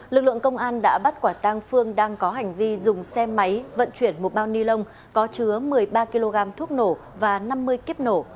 lực lượng công an đã bắt quả tang phương đang có hành vi dùng xe máy vận chuyển một bao ni lông có chứa một mươi ba kg thuốc nổ và năm mươi kiếp nổ